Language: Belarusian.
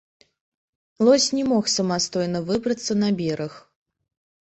Лось не мог самастойна выбрацца на бераг.